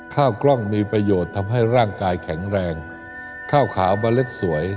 ข้าวกล้องมีประโยชน์ทำให้ร่างกายแข็งแรงข้าวขาวเมล็ดสวย